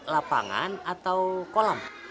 lapangan atau kolam